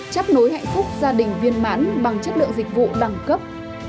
chấp nối hạnh phúc gia đình viên mãn bằng chất lượng dịch vụ đẳng cấp